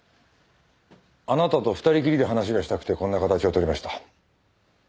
あなたと２人きりで話がしたくてこんな形を取りました。